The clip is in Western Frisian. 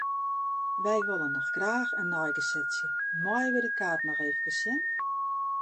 Wy wolle noch graach in neigesetsje, meie wy de kaart noch efkes sjen?